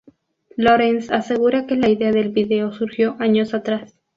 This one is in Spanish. Lorenz asegura que la idea del vídeo surgió años atrás.